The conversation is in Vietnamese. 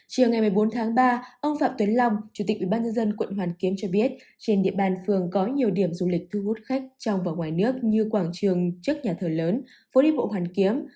chiều ngày một mươi bốn tháng ba ông phạm tuấn long chủ tịch ubnd quận hoàn kiếm cho biết trên địa bàn phường có nhiều điểm du lịch thu hút khách trong và ngoài nước như quảng trường trước nhà thờ lớn phố đi bộ hoàn kiếm